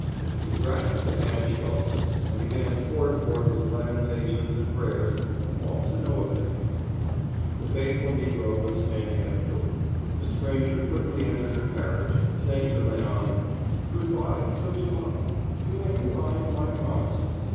He grasped the hand she offered, and again poured forth his lamentations and prayers, but all to no effect. The faithful Negro was standing at the door. The stranger quickly entered her carriage, saying to Léon, "Good bye, till tomorrow. You may rely on my promise."